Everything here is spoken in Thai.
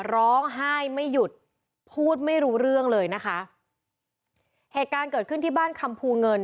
ร้องไห้ไม่หยุดพูดไม่รู้เรื่องเลยนะคะเหตุการณ์เกิดขึ้นที่บ้านคำภูเงิน